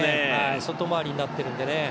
外回りになっているんでね。